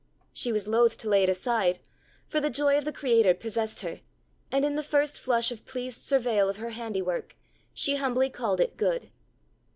She was loath to lay it aside, for the joy of the creator possessed her, and in the first flush of pleased surveyal of her handiwork, she humbly called it good.